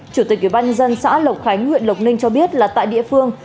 chủ tịch ubnd xã lộc khánh huyện lộc ninh cho biết là tại địa phương